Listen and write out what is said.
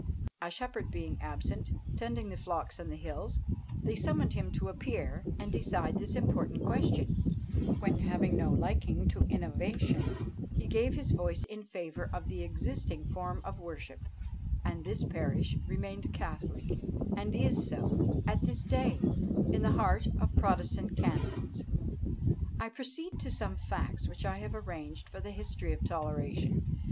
A shepherd being absent, tending the flocks on the hills, they summoned him to appear and decide this important question: when, having no liking to innovation, he gave his voice in favour of the existing form of worship; and this parish remained catholic, and is so at this day, in the heart of the protestant cantons. I proceed to some facts which I have arranged for the history of Toleration.